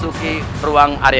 untuk kraten surabaya channel